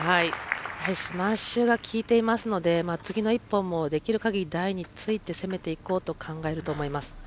スマッシュがきいていますので、次の１本もできるかぎり台について攻めていこうと考えると思います。